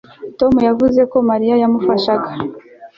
tom yavuze ko mariya yamufashaga